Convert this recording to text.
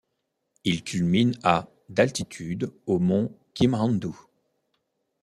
Ils culminent à d'altitude au mont Kimhandu.